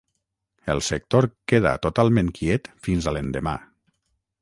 El sector queda totalment quiet fins a l'endemà.